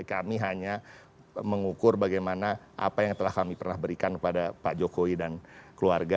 kami hanya mengukur bagaimana apa yang telah kami pernah berikan kepada pak jokowi dan keluarga